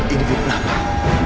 ini fitnah pak